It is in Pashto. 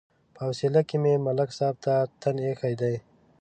په حوصله کې مې ملک صاحب ته تن ایښی دی.